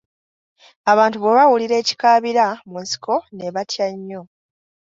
Abantu bwe baawulira ekikaabira mu nsiko ne batya nnyo!